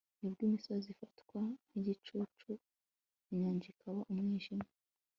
nubwo imisozi ifatwa nk'igicucu, inyanja ikaba umwijima